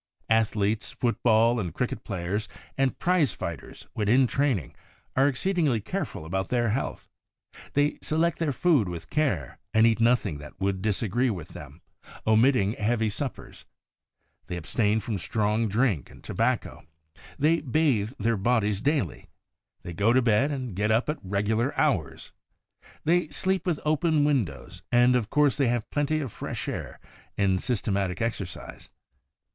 Athletes, football and cricket players, and prize fighters when in training, are exceedingly careful about their health. They select their food with care, and eat nothing that would disagree with them, omitting heavy suppers ; they abstain from strong drink and tobacco ; they bathe their HOLINESS AND SANCTIFICATION 43 bodies daily ; they go to bed and get up at regular hours ; they sleep with open windows, and, of course, they have plenty of fresh air and systematic exercise.